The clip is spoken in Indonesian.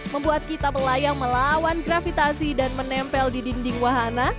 membuat kita melayang melawan gravitasi dan menempel di dinding wahana